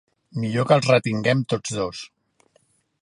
Millor que els retinguem tots dos.